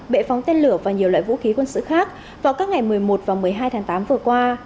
bệ phóng tên lửa và nhiều loại vũ khí quân sự khác vào các ngày một mươi một và một mươi hai tháng tám vừa qua